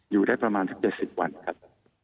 อยู่ได้ประมาณสัก๗๐วันครับ